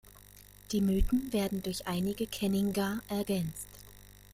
Die Mythen werden durch einige Kenningar ergänzt.